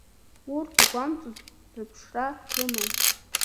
Урҭ игәамҵуаз рыԥшра рыман.